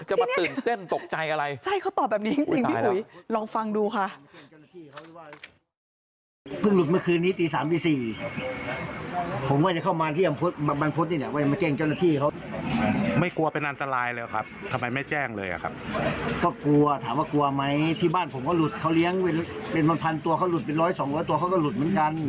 จะมาตื่นเต้นตกใจอะไรใช่เขาตอบแบบนี้จริงพี่อุ๋ยลองฟังดูค่ะ